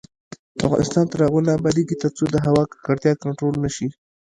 افغانستان تر هغو نه ابادیږي، ترڅو د هوا ککړتیا کنټرول نشي.